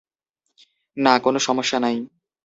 না, কোন সমস্যা নাই।